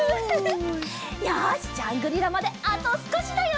よしジャングリラまであとすこしだよ！